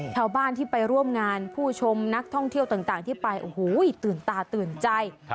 ชาวบ้านที่ไปร่วมงานผู้ชมนักท่องเที่ยวต่างที่ไปโอ้โหตื่นตาตื่นใจ